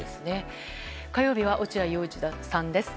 火曜日や落合陽一さんです。